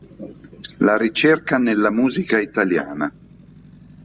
La ricerca nella musica italiana".